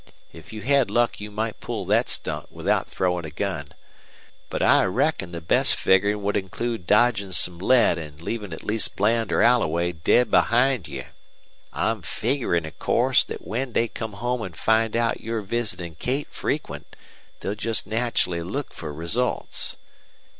If you had luck you might pull thet stunt without throwin' a gun. But I reckon the best figgerin' would include dodgin' some lead an' leavin' at least Bland or Alloway dead behind you. I'm figgerin', of course, thet when they come home an' find out you're visitin' Kate frequent they'll jest naturally look fer results.